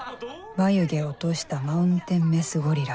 ・眉毛落としたマウンテンメスゴリラ